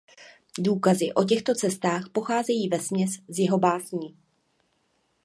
Důkazy o těchto cestách pocházejí vesměs z jeho básní.